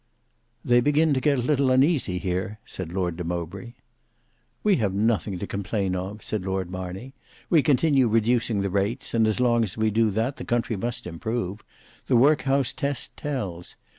"They begin to get a little uneasy here," said Lord de Mowbray. "We have nothing to complain of," said Lord Marney. "We continue reducing the rates, and as long as we do that the country must improve. The workhouse test tells.